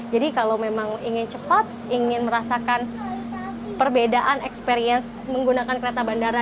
kalau memang ingin cepat ingin merasakan perbedaan experience menggunakan kereta bandara